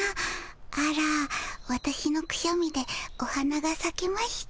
あらわたしのくしゃみでお花がさきました。